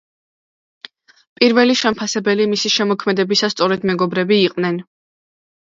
პირველი შემფასებელი მისი შემოქმედებისა სწორედ მეგობრები იყვნენ.